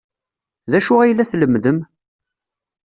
D acu ay la tlemmdem?